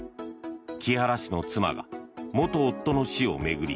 木原氏の妻が、元夫の死を巡り